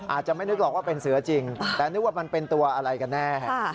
อาจจะไม่นึกหรอกว่าเป็นเสือจริงแต่นึกว่ามันเป็นตัวอะไรกันแน่